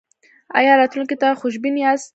ایا راتلونکي ته خوشبین یاست؟